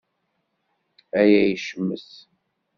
Aya yecmet.